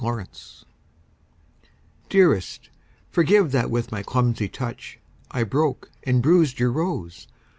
Stupidity Dearest, forgive that with my clumsy touch I broke and bruised your rose.